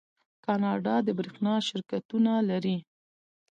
کاناډا د بریښنا شرکتونه لري.